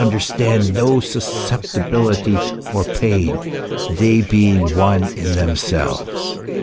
95 understand no susceptibility or pain, they being one in them selves.